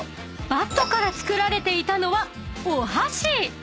バットから作られていたのは］